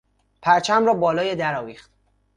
پرچم را بالای در آویخت.